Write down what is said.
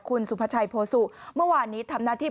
คุณสุภาชัยโพสุเมื่อวานนี้ทำหน้าที่